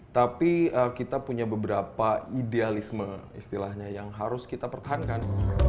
tapi kita punya beberapa idealisme istilahnya yang harus kita pertahankan